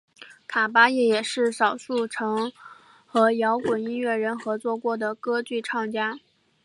卡芭叶也是少数曾和摇滚音乐人合作过的歌剧唱家。